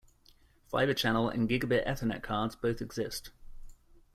Fibre channel and Gigabit Ethernet cards both exist.